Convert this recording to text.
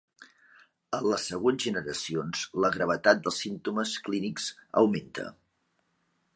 En les següents generacions, la gravetat dels símptomes clínics augmenta.